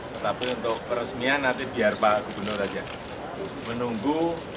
tetapi untuk peresmian nanti biar pak gubernur saja menunggu